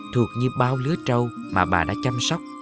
thuộc như bao lứa trâu mà bà đã chăm sóc